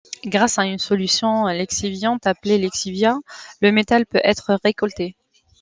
Grâce à une solution lixiviante appelé lixiviat, le métal peut être récolté.